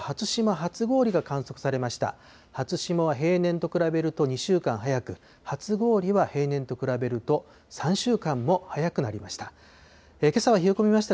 初霜は平年と比べると２週間早く、初氷は平年と比べると、３週間も早くなりました。